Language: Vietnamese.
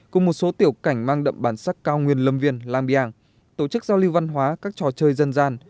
cùng một số tiểu cảnh mang đậm bản sắc cao nguyên lâm viên la biang tổ chức giao lưu văn hóa các trò chơi dân gian